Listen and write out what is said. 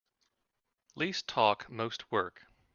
Least talk most work.